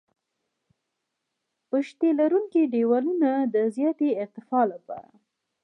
پشتي لرونکي دیوالونه د زیاتې ارتفاع لپاره دي